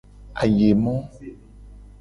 Ayemo.